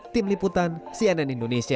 tim liputan cnn indonesia